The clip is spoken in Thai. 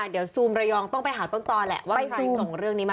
เดี๋ยวซูมระยองต้องไปหาต้นตอแหละว่าใครส่งเรื่องนี้มา